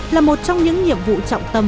là một trong những nhiệm vụ trọng tâm